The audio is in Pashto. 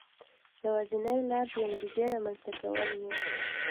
یوازینۍ لار د انګېزې رامنځته کول و.